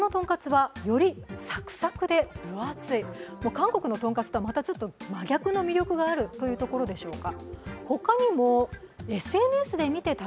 韓国のとんかつとは真逆の魅力があるというところでしょうか。